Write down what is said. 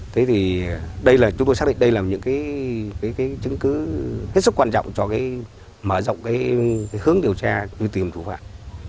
thế thì đây là chúng tôi xác định đây là những cái chứng cứ hết sức quan trọng cho cái mở rộng cái hướng điều tra truy tìm thủ phạm